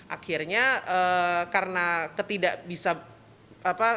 akhirnya karena ketidak bisa